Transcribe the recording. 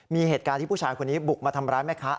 มีเหตุการณ์ที่ผู้ชายคนนี้บุกมาทำร้ายแม่ค้า